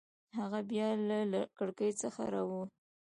هغه بیا له کړکۍ څخه راووت.